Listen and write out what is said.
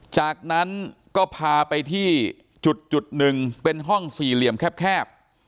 จากนั้นก็พาไปที่จุดหนึ่งเป็นห้องสี่เหลี่ยมแคบ